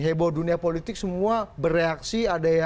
heboh dunia politik semua bereaksi